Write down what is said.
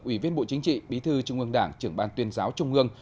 ủy viên bộ chính trị bí thư trung ương đảng trưởng ban tuyên giáo trung ương